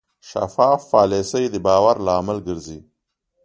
شفاف پالیسي د باور لامل ګرځي.